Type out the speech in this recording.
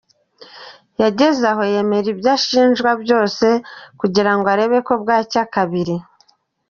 Yageze aho yemera ibyo ashinjwa byose kugira ngo arebe ko bwacya kabiri.”